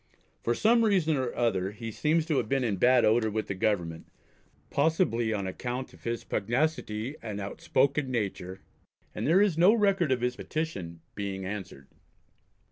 For some reason or other he seems to have been in bad odour with the Government possibly on account of his pugnacity and outspoken nature and there is no record of his petition being answered.